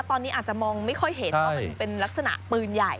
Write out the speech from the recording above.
ตอนนี้อาจจะมองไม่ค่อยเห็นว่ามันเป็นลักษณะปืนใหญ่